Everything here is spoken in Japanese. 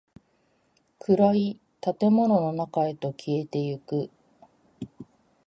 暗い建物の中へと消えていく。